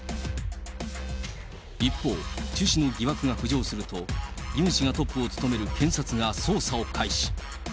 一方、チュ氏に疑惑が浮上すると、ユン氏がトップを務める検察が捜査を開始。